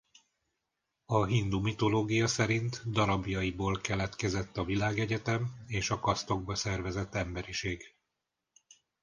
A hindu mitológia szerint darabjaiból keletkezett a világegyetem és a kasztokba szervezett emberiség.